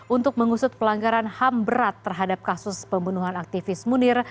untuk mengusut pelanggaran ham berat terhadap kasus pembunuhan aktivis munir